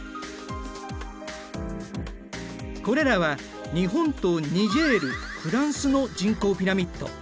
これらは日本とニジェールフランスの人口ピラミッド。